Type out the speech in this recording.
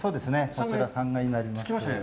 こちら、３階になります。